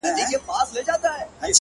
هره پوښتنه نوی امکان راپیدا کوي